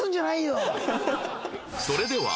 それでは